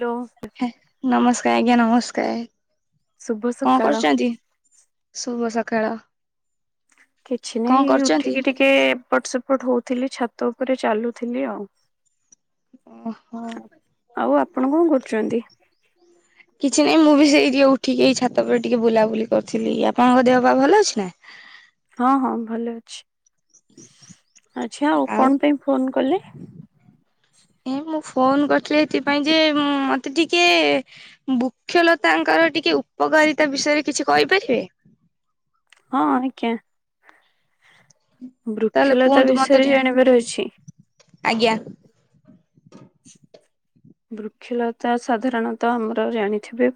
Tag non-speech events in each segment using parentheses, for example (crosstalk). Hello- ନମସ୍କାର ଆଜ୍ଞା, ନମସ୍କାର ଶୁଭ କଣ, ସକାଳ। କରୁଛନ୍ତି? କଳା- କିଛି ନାଇଁ। ଏଇ ଉଠିକି, ଟିକେ ଏପଟ, ସେପଟ ହଉଥିଲି। ଛାତ ଉପରେ, ଚାଲୁଥିଲି ଆଉ'। ଓହୋ, ଆଉ ଆପଣ କଣ କରୁଛନ୍ତି? କିଛି ନାଇଁ, ମୁଁ ବି ସେଇ ଟିକେ ଉଠିକି ଏଇ ଛାତ ଉପରେ ଟିକେ ବୁଲାବୁଲି କରିଥିଲି। ଆପଣଙ୍କ, ଦେହ ପାହ ଭଲ ଅଛି ନା? ହଁ ହଁ ଭଲ ଅଛି। ଆ୍ଛା ଆଉ କଣ ପାଇଁ ଫୋନ କଲେ? ଏ ମୁଁ ଫୋନ କରିଥିଲି ଏଥିପାଇଁ ଯେ, ମତେ ଟିକେ ବୃକ୍ଷଲତାଙ୍କର ଟିକେ ଉପକାରିତା ବିଷୟରେ କିଛି କହିପାରିବେ? ହଁ ଆଜ୍ଞା। ତାହେଲେ ବୃକ୍ଷଲତା କୁହନ୍ତୁ ମତେ ବିଷୟରେ ଟିକେ ଜାଣିବାର ଅଛି। ଆଜ୍ଞା। ବୃକ୍ଷଲତା ସାଧାରଣତଃ ଆମର ଜାଣିଥିବେ,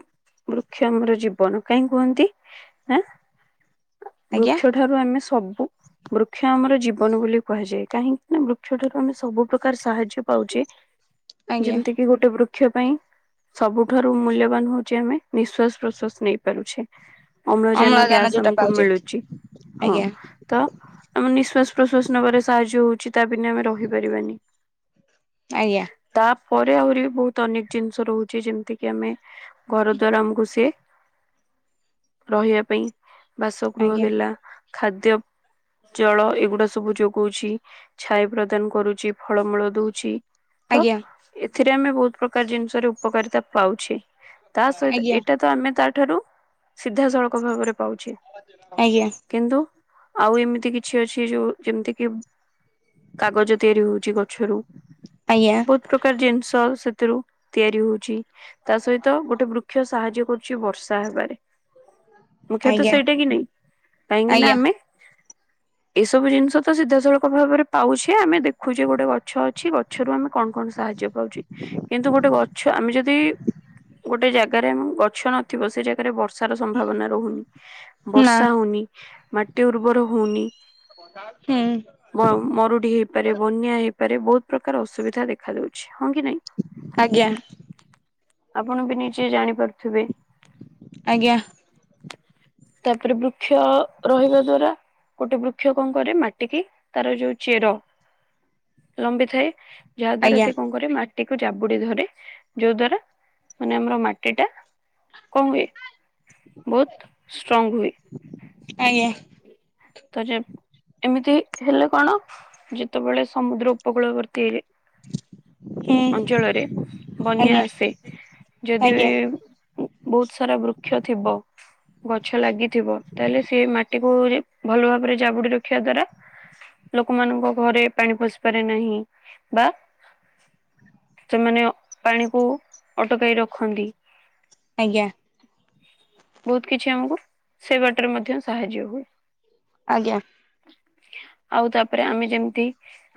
ବୃକ୍ଷ ଆମର ଜୀବନ। କାହିଁ କୁହନ୍ତି? ଆଁ ଆଜ୍ଞା ବୃକ୍ଷ ଠାରୁ ଆମେ ସବ୍ ବୃକ୍ଷ ଆମର ଜୀବନ ବୋଲି କୁହାଯାଏ। କାହିଁକି ନା ବୃକ୍ଷ ଠାରୁ ଆମେ ସବୁ ପ୍ରକାର ସାହାଯ୍ୟ ପାଉଛେ। ଆଜ୍ଞା। ଯେମିତି କିି ଗୋଟେ ବୃକ୍ଷ ପାଇଁ ସବୁଠାରୁ ମୂଲ୍ୟବାନ ହଉଛି, ଆମେ ନିଶ୍ୱାସ ପ୍ରଶ୍ଵାସ ନେଇ ପାରୁଛେ। ଅମ୍ଳଜାନ ଗ୍ୟାସ ଯୋଉଟା ଆମକୁ ପାଉଛେ ମିଳୁଛି। ହଁ, ଆଜ୍ଞା ତ ଆମ ନିଶ୍ୱାସ ପ୍ରଶ୍ଵାସ ନବାରେ ସାହାଯ୍ୟ ହଉଛି। ତା ବିନା ଆମେ ରହିପାରିବାନି। ଆଜ୍ଞା ତା ଆହୁରି ବହୁତ ଅନେକ ଜିନିଷ ରହୁଛି। ଯେମିତି କିି ଆମେ ଘର ଦ୍ଵାରା ଆମକୁ ସିଏ ରହିବା ପାଇଁ ବାସଗୃହ ଆଜ୍ଞା ଦେଲା ଖାଦ୍ ତ୍ୟପ୍ ଜଳ ଏଗୁଡା ସବୁ ଯୋ ପକଉଛି, ଛାୟା ପ୍ରଦାନ କରୁଛି, ଫଳମୂଳ ଦଉଛି। ତ ଆଜ୍ଞା। ଏଥିରେ ଆମେ ବହୁତ ପ୍ରକାର ଜିନିଷ ର ଉପକାରିତା ପାଉଛେ। ତା ଆଜ୍ଞା ସହିତ ଆଜ୍ଞା ଏଟା ତ ଆମେ ତା ଠାରୁ ସିଧାସଳଖ ଭାବରେ ପାଉଛି। ଆଜ୍ଞା କିନ୍ତୁ ଆଉ ଏମିତି କିଛି ଅଛି, ଯୋଉ ଯେମିତି କି କାଗଜ ତିଆରି ହଉଛି ଗଛରୁ, ଆଜ୍ଞା ବହୁତ ପ୍ରକ୍ ଷ ସେଥିରୁ ତିଆରି ହଉଛି। ତା ସହିତ ଗୋଟେ ବୃକ୍ଷ ସାହାଯ୍ୟ କରୁଛି ବର୍ଷା ହେବାରେ ମୁଖ୍ୟତଃ ଆଜ୍ଞା ସେଇଟା କି ନାଇଁ, କାହିଁକି ନା ଆଜ୍ଞା ଆମେ ଏସବୁ ଜିନିଷ ତ ସିଧାସଳଖ ଭାବରେ ପାଉଛେ। ଆମେ ଦେଖୁଛେ, ଗୋଟେ ଗଛ ଅଛି ଗଛରୁ ଆମେ କଣ କଣ ସାହାଯ୍ୟ ପାଉଛି। କିନ୍ତୁ, ଗୋଟେ ଗଛ ଆମେ ଯଦି ଗୋଟେ ଜାଗାରେ ଆମ ଗଛ ନଥିବ! ସେ ଜାଗାରେ ବର୍ଷ ର୍ଷାର ସମ୍ଭାବନା ରହୁନି। ନା ବର୍ଷା ହଉନି। ମାଟି ଉର୍ବର ହଉନି। ହୁଁ ମ- ମରୁଡି ହେଇପାରେ ବନ୍ୟା ହେଇ ପାରେ, ବହୁତ ପ୍ରକାର ଅସୁବିଧା ଦେଖାଦଉ ହଁ କି ନା ଆଜ୍ଞା। ଆପଣ ବି ନିଜେ ଜାଣିପାରୁଥିବେ। ଆଜ୍ଞା। ତାପରେ ବୃକ୍ଷ ରହିବା ଦ୍ଵାରା ଗୋଟେ ବୃକ୍ଷ କଣ କରେ ମାଟିକି ତାର ଯୋଉ ଚେର ଲମ୍ବିଥାଏ ଆଜ୍ଞା ଯାହାଦ୍ୱାରା ସେ ମାଟି କୁ ଜାବୁଡି ଧରେ ଯୋଉ ଦ୍ଵାରା ମାନେ ଆମର ମାଟି ଟା କଣ ହୁଏ ବହୁତ ଷ୍ଟ୍ରଙ୍ଗ୍ ହୁଏ। ଆଜ୍ଞା। ତ ଯେ ଏମିତି ହେଲେ କଣ ଯେତେବେଳେ ସମୁଦ୍ର ଉପକୂଳବର୍ତ୍ତୀ ଏ ହୁଁ ଅଞ୍ଚଳରେ ବନ୍ୟା ଆଜ୍ଞା ଆସେ ଯଦି ଆଜ୍ଞା ବହୁତ ସାରା ବୃକ୍ଷ ଥିବ ଗଛ ଲାଗିଥିବ ତାହେଲେ ସେ ମାଟିକୁ ଭଲ ଭାବରେ ଜାବୁଡି ରଖିବା ଦ୍ଵାରା ଲୋକମାନଙ୍କ ଘରେ ପାଣି ପଶିପାରେ ନାହିଁ ବା ସେମାନେ ପାଣିକୁ ଅଟକାଇ ରଖନ୍ତି। ଆଜ୍ଞା ବହୁତ କିଛି ଆମକୁ ସେ ବାଟରେ ମଧ୍ୟ ସାହାଯ୍ୟ ହୁଏ। ଆଜ୍ଞା। ଆଉ ତାପରେ ଆମେ ଯେମିତି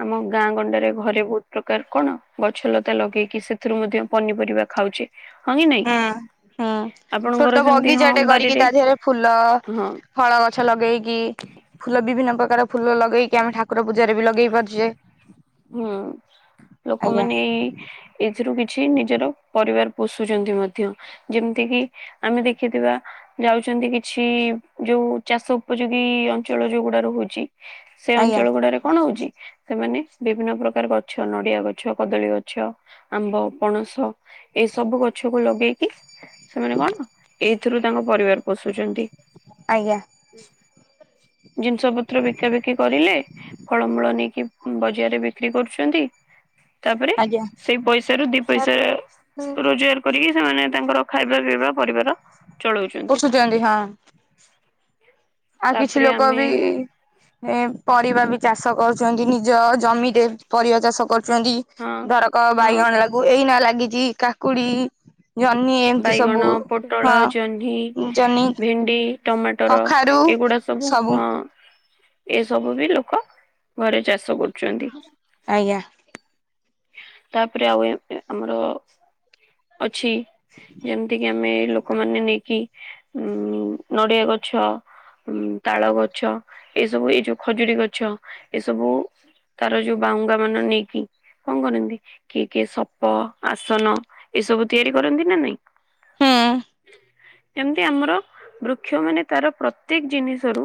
ଆମ ଗାଁ ଗଣ୍ଡରେ ଘରେ ବହୁତ ପ୍ରକାର କଣ ଗଛଲତା ଲଗେଇକି ସେଥିରୁ ମଧ୍ୟ ପନିପରିବା ଖାଉଛେ ହଁ କି ନାଇଁ ହୁଁ ହୁଁ ଆପଣଙ୍କର ଛୋଟ ସେମିତି ବଗିଚା ହଁ ଟେ କରିକି ବାରିରେ ତା ଦେହରେ ଫୁଲ ହଁ ଫଳ ଗଛ ଲଗେଇକି କି ଫୁଲ ବିଭିନ୍ନ ପ୍ରକାର ପ୍ରକାର ଫୁଲ ଲଗେଇକି ଆମେ ଠାକୁର ପୂଜାରେ ବି ଲଗେଇ ପାରୁଛେ। ହୁଁ ଆଜ୍ଞା ଲୋକମାନେ ଏଇ ଏଥିରୁ କିଛି ନିଜର ପରିବାର ପୋଷୁଛନ୍ତି ମଧ୍ୟ ଯେମିତି କିି ଆମେ ଦେଖିଥିବା ଯାଉଛନ୍ତି କିଛି ଯୋଉ ଚାଷ ଉପଯୋଗୀ ଅଞ୍ଚଳ ଯୋଉଗୁଡା ରହୁଛି। ସେ ଆଜ୍ଞା ଅଞ୍ଚଳ ଗୁଡାରେ କଣ ହଉଛି? ସେମାନେ ବିଭିନ୍ନ ପ୍ରକାର ଗଛ ନଡ଼ିଆ ଗଛ, କଦଳୀ ଗଛ, ଆମ୍ବ, ପଣସ। ଏଇ ସବୁ ଗଛକୁ ଲଗେଇକି ସେମାନେ କଣ ଏଇ ଏଥିରୁ ତାଙ୍କ ପରିବାର ପୋଷୁଛନ୍ତି। ଆଜ୍ଞା। (unintelligible) ଜିନିଷ ପତ୍ର ବିକା ବିକି କରିଲେ ଫଳମୂଳ ନେଇକି ହୁଁ ଜ ରେ ବିକ୍ରି କରୁଛନ୍ତି। ତାପରେ ଆଜ୍ଞା ସେଇ ପଇସା ରୁ ଦି ସାର୍ ପଇସା ରୋଜଗାର କରିକି ସେମାନେ ତାଙ୍କର ଖାଇବା ପିଇବା ପରିବାର ଚଳଉଛନ୍ତି ପଶୁଛନ୍ତି ହଁ। ଆଉ କିଛି ତାପରେ ଲୋକ ଆମେ ବି ଏଁ ପରିବା ବି ଚାଷ କରୁଚନ୍ତି ନିଜ ଜମିରେ ପରିବା ଚାଷ କରୁ ଚନ୍ତି ହଁ ଧରକ ହଁ ବାଇଗଣ ଲାଗୁ ଏଇନା ଲାଗ ଗିଜି କାକୁଡି ଜହ୍ନି ଏମିତି ସବୁ ବାଇଗଣ ପୋଟଳ ହଁ ଜହ୍ନି ଜହ୍ନି ଭେଣ୍ଡି। ଟମାଟର କଖାରୁ ଏଇଗୁଡା ସବୁ ହଁ। ଏସବୁ ବି ଲୋକ ଘରେ ଚାଷ କରୁ ଆଜ୍ଞା। ତାପରେ ଆଉ ଏବେ ଆମର ଅଛି ଯେମିତି କିି ଆମେ ଲୋକମାନେ ନେଇକି ଉଁ ନଡିଆ ଗଛ ଉଁ ତାଳ ଗଛ ଏସବୁ ଏ ଯୋଉ ଖଜୁରୁରୀ ଗଛ ଏସବୁ ତାର ଯୋଉ ବାହୁଙ୍ଗା ମାନ ନେଇକି କଣ କରନ୍ତି କିଏ କିଏ ସପ ଆସନ ଏସବୁ ତିଆରି କରନ୍ତି ନା ନାଇଁ। ହଁ। ଏମିତି ଆମର ବୃକ୍ଷ ମାନେ ତାର ପ୍ରତ୍ୟେକ ଜିନିଷ ର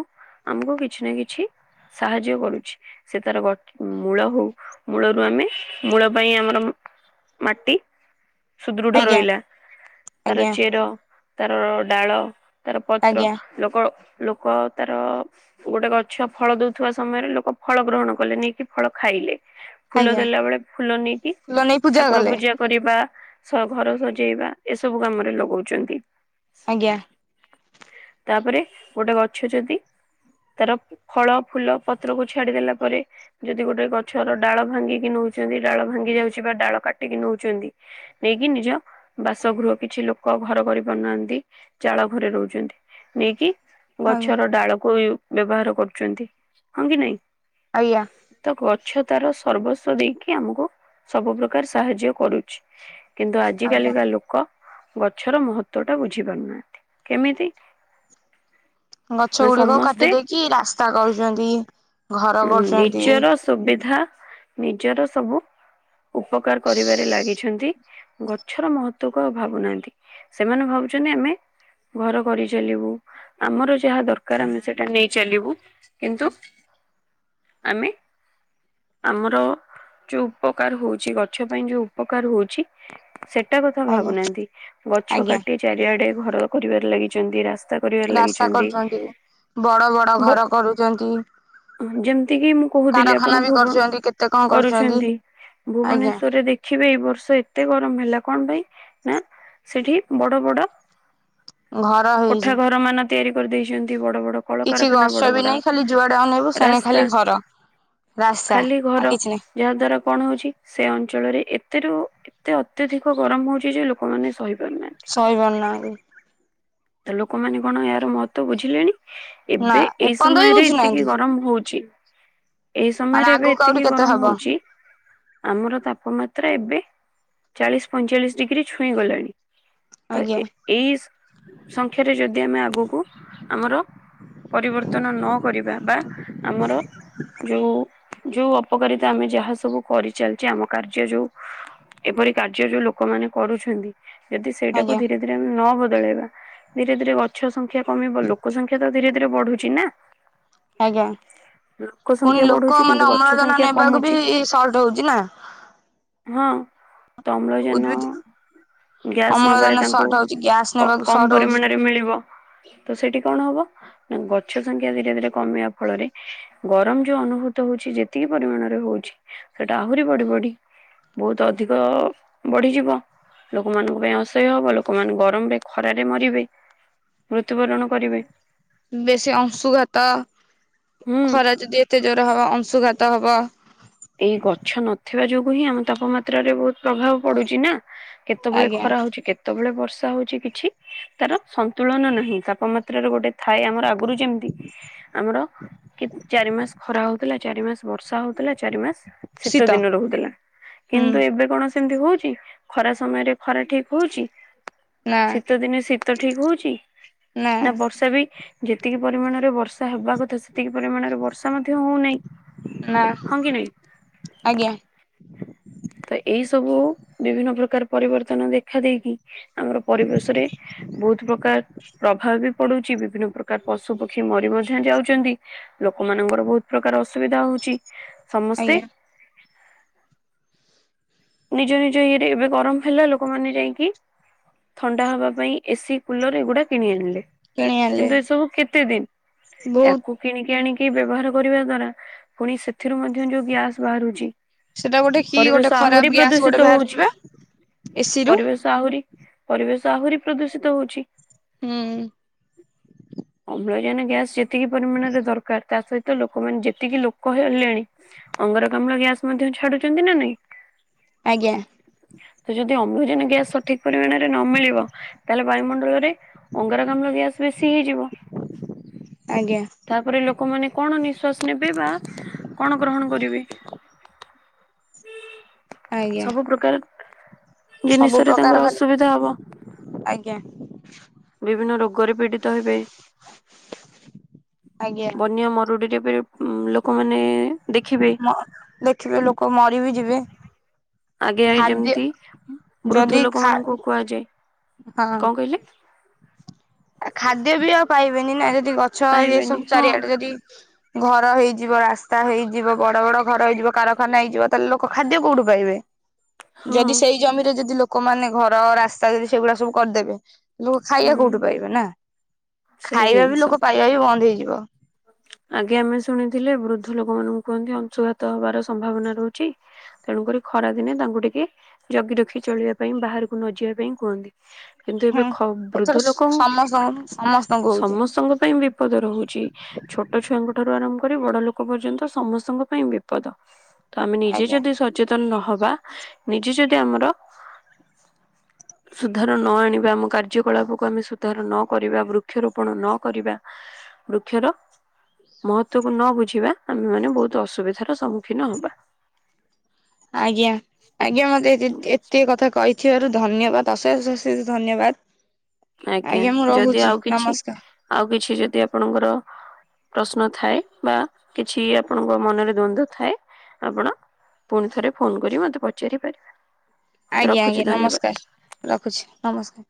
ଆମକୁ କିଛି ନା କିଛି ସାହାଯ୍ୟ କରୁଛି। ସେ ତାର ଗ ମୂଳ ହୋଉ ମୂଳରୁ ଆମେ ମୂଳ ପାଇଁ ଆମର ମାଟି ସୁଦୃଢ ଆଜ୍ଞା ରହିଲା ତାର ଆଜ୍ଞା ଚେର ତାର ଡାଳ। ତାର ପତ୍ର ଆଜ୍ଞା ଲୋକୋଳ। ଲୋକ ତାର ଗୋଟେ ଗଛ ଫଳ ଦୋଉଥିବା ସମୟରେ ଲୋକ ଫଳ ଗ୍ରହଣ କଲେ ନେଇକି ଫଳ ଖାଇଲେ। ଫୁଲ ଆଜ୍ଞା ଦେଲା ବେଳେ। ଫୁଲ ନେଇକି ଫୁଲ ନେଇ ଠାକୁର କଲେ ପୂଜା କରିବା। ବା ସ ଘର ସଜେଇବା ଏସବୁ କାମରେ ଲଗୋଉଚନ୍ତି। ଆଜ୍ଞା। ତାପରେ ଗୋଟେ ଗଛ ଯଦି ତାର ଫଳ ଫୁଲ ପତ୍ରକୁ ଛାଡିଦେଲା ପରେ ଯଦି ଗୋଟେ ଗଛର ଡାଳ ଭାଙ୍ଗିକି ନୋଉ ଯଦି ଡାଳ ଭାଙ୍ଗି ଯାଉଛି ବା ଡାଳ କାଟିକି ନୋଉଚନ୍ତି ନେଇକି ନିଜ ବାସଗୃହ କିଛି ଲୋକ ଘର କରି ପାରୁନାହାନ୍ତି ଜାଳ ଘରେ ରହୁଚନ୍ତି ନେଇକି ଆଜ୍ଞା ଗଛର ଡାଳକୁ ୟୁ ବ୍ୟବହାର କରୁଚନ୍ତି ହଁ କି ନାହିଁ। ଆଜ୍ଞା ତ ଗଛ ତାର ସର୍ବସ୍ୱ ଦେଇକି କି ଆମକୁ ସବୁ ପ୍ରକାର ସାହାଯ୍ୟ କରୁଛି। କିନ୍ତୁ ଆଜ୍ଞା ଆଜିକାଲିକା ଲୋକ। ଗଛର ମହତ୍ତ୍ଵ ଟା ବୁଝିପାରୁନାହାନ୍ତି କେମିତି। ଗଛ ନା ଗୁଡ଼ିକ ସମସ୍ତେ କାଟି ଦେଇକି ରାସ୍ତା କରୁଚନ୍ତି। ଉଁ ନିଜର ସୁବିଧା ନି ନିଜର ସବୁ। ଉପକାର କରିବାରେ ଲାଗିଛନ୍ତି। ଗଛର ମହତ୍ତ୍ଵ କୁ ଆଉ ଭାବୁନାହାନ୍ତି ସେମାନେ ଭାବୁଛନ୍ତି ଆମେ ଘର କରିଚାଲିବୁ ଆମର ଯାହା ଦରକାର ଆମେ ସେଟା ନେଇ ଚାଲିବୁ। କିନ୍ତୁ ଆମେ ଆମର ଯୋଉ ଉପକାର ହଉଛି ଗଛ ପାଇଁ ଯୋଉ ଉପକାର ହଉଛି ସେଟା କଥା ଆଜ୍ଞା ଭାବୁନାହାନ୍ତି ଗଛ ଆଜ୍ଞା କାଟି ଚାରିଆଡେ ଘର (unintelligible) କରିବାରେ ଲାଗିଛନ୍ତି ରା ରାସ୍ତା କରୁଛନ୍ତି, ବଡ ବଡ ବ ଘର କରୁଛନ୍ତି। ଯେମିତି କିି ମୁଁ କହୁଥିଲି କାରଖାନା ବି ଆପଣଙ୍କୁ ଭୁ କରୁଛନ୍ତି କେତେ କଣ କରୁଛନ୍ତି, ଆଜ୍ଞା ଭୁବନେଶ୍ଵରରେ ଦେଖିବେ ଏଇ ବର୍ଷ ଏତେ ଗରମ। (unintelligible) ହେଲା, କଣ ପାଇଁ ନା ସେଠି ବଡ ବଡ ଘର କୋଠା ହେଇଛି। ଘର ମାନ ତିଆରି କରିଦେଇଛନ୍ତି ବଟ୍ କିଛି ଗଛ ବି ନାହିଁ ଖାଲି ଯୁଆଡେ ଅନାଇଵ ରାସ୍ତା ଖାଲି ଆଉ ଘର କିଛି ନାହିଁ ଯାହା ଦ୍ଵାରା କଣ ହଉଛି ସେ ଅଞ୍ଚଳରେ ଏତେ ରୁ ଏତେ ଅତ୍ୟଧିକ ଗରମ ହଉଛି ଯେ ଲୋକମାନେ ସହହିପାରୁ ସହିପାରୁ ନାହାନ୍ତି। ତ ଲୋକମାନେ କଣ ଏହାର ମହତ୍ୱ ବୁଝିଲେଣି? ନା ଏବେ ଏଇ ଏପର୍ଯ୍ୟନ୍ତ ବି ସମୟରେ ଏତିକି ବୁଝୁନାହାନ୍ତି। ଗରମ ହଉଛି। ଏଇ ମାନେ ସମୟରେ ଏବେ ଆଗକୁ ଆହୁରି ଏତିକି କେତେ ଗରମ ହବ ହଉଛି ଆମର ତାପମାତ୍ରା ଏବେ ଚାଳିଶି ପଇଁଚାଳିଶି ଡିଗ୍ରୀ ଛୁଇଁ ଗଲାଣି। ତ ଆଜ୍ଞା ଏ ଏଇ ସଂଖ୍ୟାରେ ଯଦି ଆମେ ଆ ଆଗକୁ ଆମର ପରିବର୍ତ୍ତନ ନକ କରିବା ବା ଆମର ଯୋଉ ଅପକାରିତା ଆମେ ଯାହା ସବୁ କରିଚାଲିଛେ ଆମ କାର୍ଯ୍ୟ ଯୋଉ ଏପରି କାର୍ଯ୍ୟ ଯୋଉ ଲୋକମାନେ କରୁଛନ୍ତି। ଯଦି ସେଇଟାକୁ ଆଜ୍ଞା ଧୀରେ ଧୀରେ ନ ବ ବଦଳେଇବା ଧୀରେ ଧୀରେ ଗଛ ସଂଖ୍ୟା କମିବ ଲୋକ ସଂଖ୍ୟା ତ ଧୀରେ ଧୀରେ ବଢୁଛି ନା। ଆଜ୍ଞା। ଲୋକ ସଂଖ୍ୟା ପୁଣି ଲୋକ ବଢୁଛି କିନ୍ତୁ ମାନେ ଗଛ ଅମ୍ଳଜାନ ସଂଖ୍ୟା ନେବାକୁ କମୁଛି ବି ସର୍ଟ ହଉଛି ନା। ହଁ। ତ ଅମ୍ଳଜାନ ଉଦ୍ଭିଦ ଗ୍ୟାସ୍ ନବାରେ ଅମ୍ଳଜାନ ତାଙ୍କୁ ସର୍ଟ ହଉଛି ଗ୍ୟାସ କ ନେବାକୁ କମ ସର୍ଟ ହଉଛି। ପରିମାଣରେ ମିଳିବ। ତ ସେଠି କଣ ହବ ନା ଗଛ ସଂଖ୍ୟା ଧୀରେ ଧୀରେ କମିବା ଫଳରେ ଗରମ ଯୋଉ ଅନୁଭୂତ ହଉଛି ଯେତିକି ପରିମାଣରେ ହଉଛି ସେଟା ଆହୁରି ବଢି ବଢି ବହୁତ ଅଧିକ ବଢିଯିବ ଲୋକମାନଙ୍କ ପାଇଁ ଅସହ୍ୟ ହବ ଲୋକମାନେ ଗରମରେ ଖରାରେ ମରିବେ ମୃତ୍ୟୁବରଣ କରିବେ। ବେଶୀ ଅଂଶୁଘାତ ହୁଁ ଖରା ଯଦି। ଏତେ ଜୋର ହବ ଅଂଶୁଘାତ ହବ। ହେବା ଯୋଗୁ ହିଁ ଆମ ତାପମାତ୍ରାରେ ବହୁତ ପ୍ରଭାବ ପଡୁଚିନା। କେତେବେଳେ ଆଜ୍ଞା ଖରା ହଉଛି କେତେବେଳେ ବର୍ଷା। ର୍ଷା ହଉଛି କିଛି ତାର ସନ୍ତୁଳନ ନାହି ତାପମାତ୍ରାର ଗୋଟେ ଥାଏ ଆମର ଆଗରୁ ଯେମିତି ଆମର କି ଚାରି ମାସ ଖରା ହଉଥିଲା ଚାରି ମାସ ବର୍ଷା ହଉଥିଲା। ଚାରି ମାସ୍। ଶୀତ ଦିନ ରହୁଥିଲା ହୁଁ କିନ୍ତୁ ଏବେ କଣ? ସେମତି ହଉଛି ଖରା ସମୟରେ ଖରା ଠିକ ହଉଛି? ନା ଶୀତଦିନେ ଶୀତ୍ ତ ଠିକ୍ ହଉଛି। ନା ବର୍ଷା ବି। ଯେତିକି ପରିମାଣରେ ବର୍ଷା ହେବା କଥାଏ ସେତିକି ପରିମାଣରେ ବର୍ଷା ମଧ୍ୟ ହଉନାହିଁ। ନା ହଁ କି ନାଇଁ ଆଜ୍ଞା। ତ ଏଇ ସବୁ ବିଭିନ୍ନ ପ୍ରକାର ପରିବର୍ତ୍ତନ ଦେଖା ଦେଇକି। ଆମର ପରିବେଶ ରେ ବହୁତ ପ୍ରକାର ପ୍ରଭାବ ବି। ପଡୁଛି ବିଭିନ୍ନ ପ୍ରକାର ପଶୁ ପକ୍ଷୀ ମରି ମଧ୍ୟ ଯାଉଚନ୍ତି ଲୋକମାନଙ୍କର ବହୁତ ପ୍ରକାର ଅସୁବିଧା ହଉଛି। ସମସ୍ତେ। ଆଜ୍ଞା ନିଜ ନିଜ ଇଏରେ ଏବେ ଗରମ ହେଲା ଲୋକମାନେ ଯାଇକି ଥଣ୍ଡା ହବା ପାଇଁ ଏସିି କୁଲର ଏଗୁଡା କିଣି ଆଣିଲେ। କିଣି ଆଣିଲେ କିନ୍ତୁ ଏସବୁ କେତେ ଦିନ। ବହୁତ ଆକୁ କିଣିକି ଆଣିକି ବ୍ୟବହାର କରିବା ଦ୍ଵାରା ପୁଣି ସେଥିରୁ ମଧ୍ୟ ଯୋଉ ଗ୍ୟାସ ବାହାରୁଛି। ସେଇଟା ଗୋଟେ କି ଗୋଟେ ଖରାପ ଗ୍ୟା ଦୁଶୀତ ହଉଛି ପରିବେଶ ଆହୁରି। ପରିବେଶ ଆହୁରି ପ୍ରଦୂଷିତ ହଉଛି। ହୁଁ। ଜାନ ଗ୍ୟାସ ଯେତିକି ପରିମାଣରେ ଦରକାର ତା ସହିତ ଲୋକମାନେ ଯେତିକି ଲୋକ ହେଲେଣି ଅଙ୍ଗରକାମ୍ଳ ଗ୍ୟାସ ମଧ୍ୟ ଛାଡୁଛନ୍ତି ନା ନାଇଁ। ଆଜ୍ଞା। ତ ଯଦି ଅମ୍ଳଜାନ ଗ୍ୟାସ ଠିକ ପରିମାଣରେ ନ ମିଳିବ ତାହେଲେ ବାୟୁମଣ୍ଡଳରେ। ଅଙ୍ଗାରକାମ୍ଲ ଗ୍ୟାସ ବେଶୀ ହେଇଯିବ ଆଜ୍ଞା ତାପରେ ଲୋକମାନେ କଣ ନିଃଶ୍ଵାସ ନେବେ ବା କଣ ଗ୍ରହଣ କରିବେ। ଆଜ୍ଞା ସବୁ ପ୍ରକାର। ସବୁ ଜିନିଷରେ ପ୍ରକାର ତାଙ୍କର ଖାଲି ଅସୁବିଧା ହବ ଆଜ୍ଞା ବିଭିନ୍ନ ରୋଗ ଗରେ ପିଡ଼ି ତ ହେବେ ଆଜ୍ଞା ବନ୍ୟା ମରୁଡିରେ ବି ଉଁ ଲୋକମାନେ ଦେଖିବେ ମ ଦେଖିବେ ଲୋକ ମରିବି ଯିବେ। ଆଗେ ଆଇ ଖାଦ୍ୟ ଯେମିତି ବୃଦ୍ଧ ଯଦି ଲୋକ ଖା ମାନଙ୍କୁ କୁହାଯାଏ କଣ କହିଲେ? ଆଉ ଖାଦ୍ୟ ବି ଆଉ ପାଇବ ବେନି ନା ଯ ଯଦି ଗଛ ଏ ପାଇବେନି ସବୁ ହଁ ଚାରିଆଡେ ଯଦି ଘର ହେଇଯିବ ରାସ୍ତା ହେଇଯିବ ବଡ ବଡ ଘର ହେଇଯିବ କାରଖାନା ହେଇଯିବ ତାହେଲେ ଲୋକ ଖାଦ୍ୟ କୋଉଠି ପାଇବେ? ହଁ ଯଦି ସେଇ ଜମିରେ ଯଦି ଲୋ ଲୋକମାନେ ଘର ରାସ୍ତା ଯଦି ସେଗୁଡା ସବୁ କରିଦେବେ। ଲୋକ ଖାଇବେ ହୁଁ କୋଉଠୁ? ପାଇବେ ନା। ସେଇ ଖାଇବା ବି ଲୋକ ପାଇବା ବି ବନ୍ଦ ହେଇ ବ। ଆଜ୍ଞା ଆମେ ଶୁଣିଥିଲେ ବୃଦ୍ଧ ଲୋକ ମାନଙ୍କୁ କୁହନ୍ତି ଅଂଶୁଘାତ ହବାର ସମ୍ଭାବନା ରହୁଛି ତେଣୁକରି ଖରା ଦିନେ ତାଙ୍କୁ ଟିକେ ଜଗି ରଖି ଚଳିବା ପାଇଁ ବାହାରକୁ ନ ଯିବା ପାଇଁ କୁହନ୍ତି। କିନ୍ତୁ ଏବେ ହୁଁ। ଏଥର ବୃଦ୍ଧ ଲୋକ ସମସ୍ତଙ୍କୁ ସମସ୍ତଙ୍କୁ ହଉଛି ସମସ୍ତଙ୍କ ପାଇଁ ବିପଦ ରହୁଛି। ଛୋଟ ଛୁଆଙ୍କ ଠାରୁ ଆରମ୍ କରି ବଡ ଲୋକ ପର୍ଯ୍ୟନ୍ତ ସମସ୍ତଙ୍କ ପାଇଁ ବିପଦ। ତ ଆମେ ନିଜେ ଆଜ୍ଞା ଯଦି ସଚେ ନହବା ନିଜେ ଯଦି ଆମର ସୁଧାର ନ ଆଣିବା ଆମ କାର୍ଯ୍ୟକଳାପକୁ ଆମେ ସୁଧାର ନ କରିବା ବୃକ୍ଷରୋପଣ ନ କରିବା ବୃକ୍ଷର ମହତ୍ଵକୁ ନ ବୁଝିବା ଆମେ ମାନେ ବହୁତ ଅସୁବିଧାର ସମ୍ମୁଖୀନ ହବା। ଆଜ୍ଞା ଆଜ୍ଞା ମତେ ଏତିକି କଥା କହି ଦୋରୁ ଧନ୍ୟବାଦ ଅଶେଷ ଅଶେଷ ଧନ୍ୟବାଦ। ଆଜ୍ଞା ମୁଁ ଯଦି ରହୁଛି ଆଉ କିଛି ନମସ୍କାର ଆଉ କିଛି ଯଦି ଆପଣଙ୍କର ପ୍ରଶ୍ନ ଥାଏ ବା କିଛି ଆପଣଙ୍କ ମନରେ ଦ୍ଵନ୍ଦ ଥାଏ ଆପଣ ପୁଣି ଥରେ ଫୋନ କରି ମତେ ପଚାରି ପାରିବେ? ଆଜ୍ଞା ରଖୁଛି ଆଜ୍ଞା ଧନ୍ୟବାଦ ନମସ୍କାର ରଖୁଛି ନମସ୍କାର।